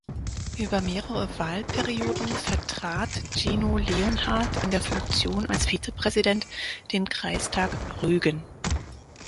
Über mehrere Wahlperioden vertrat Gino Leonhard, in der Funktion als Vizepräsident, den Kreistag Rügen.